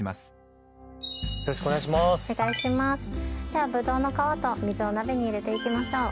ではブドウの皮と水を鍋に入れていきましょう。